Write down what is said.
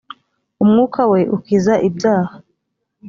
umwuka we ukiza ibyaha.